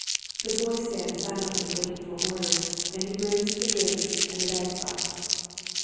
The boy stands silently waiting for orders and he brings the drinks and the dice box.